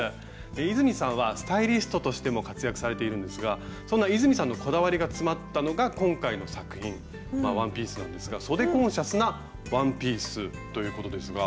泉さんはスタイリストとしても活躍されているんですがそんな泉さんのこだわりが詰まったのが今回の作品ワンピースなんですが「そでコンシャスなワンピース」ということですが。